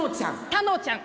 たのちゃん！